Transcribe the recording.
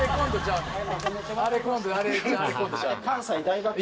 あれ。